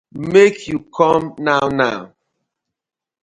Mak yu com naw naw.